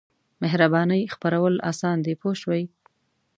مهربانۍ خپرول اسان دي پوه شوې!.